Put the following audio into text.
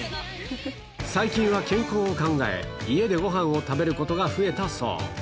最近は健康を考え、家でごはんを食べることが増えたそう。